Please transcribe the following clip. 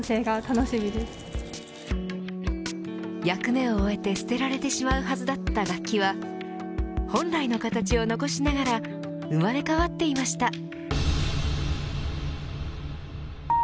役目を終えて捨てられてしまうはずだった楽器は本来の形を残しながら生まれ変わっていました。